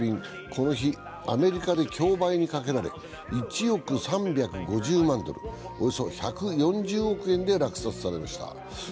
この日アメリカで競売にかけられ１億３５０万ドル、およそ１４０億円で落札されました。